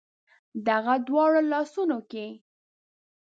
د هغه دواړو لاسونو کې